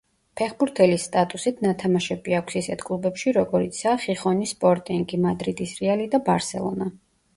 ფეხბურთელის სტატუსით ნათამაშები აქვს ისეთ კლუბებში, როგორიცაა: „ხიხონის სპორტინგი“, „მადრიდის რეალი“ და „ბარსელონა“.